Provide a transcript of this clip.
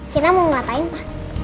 kita mau ngelakain pa